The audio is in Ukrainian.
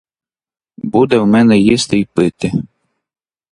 Буде в мене їсти й пити!